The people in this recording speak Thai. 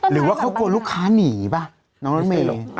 หรือว่าเขากลัวลูกค้าหนีป่ะน้องรถเมย์